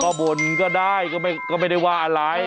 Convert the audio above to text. ก็บ่นก็ได้ก็ไม่ได้ว่าอะไร